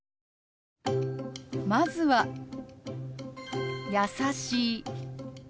まずは「優しい」。